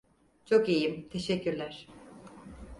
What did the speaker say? Çok iyiyim, teşekkürler.